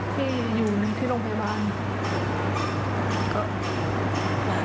ที่อยู่ในที่โรงพยาบาล